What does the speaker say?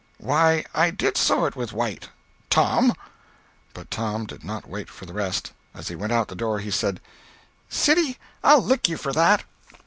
"Why, I did sew it with white! Tom!" But Tom did not wait for the rest. As he went out at the door he said: "Siddy, I'll lick you for that."